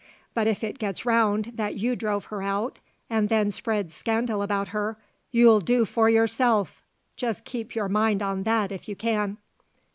But if it gets round that you drove her out and then spread scandal about her, you'll do for yourself just keep your mind on that if you can."